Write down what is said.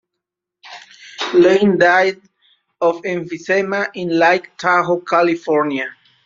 Lane died of emphysema in Lake Tahoe, California.